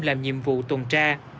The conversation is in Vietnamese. làm nhiệm vụ tuần tra